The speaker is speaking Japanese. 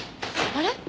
あれ？